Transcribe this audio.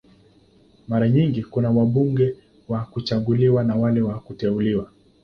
Mara nyingi kuna wabunge wa kuchaguliwa na wale wa kuteuliwa.